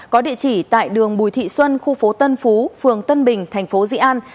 có địa chỉ tại đường bùi thị xuân khu phố tân phú phường tân bình tp di an